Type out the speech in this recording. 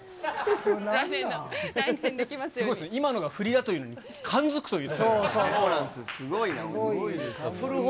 すごいですよ、今のが振りだというのに、勘づくという。